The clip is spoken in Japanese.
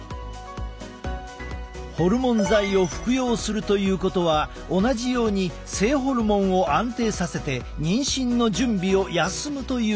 ホルモン剤を服用するということは同じように性ホルモンを安定させて妊娠の準備を休むということなのだ。